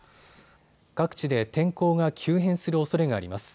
各地で天候が急変するおそれがあります。